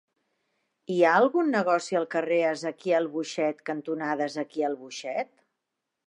Hi ha algun negoci al carrer Ezequiel Boixet cantonada Ezequiel Boixet?